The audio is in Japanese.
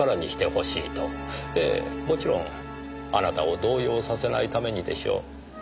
ええもちろんあなたを動揺させないためにでしょう。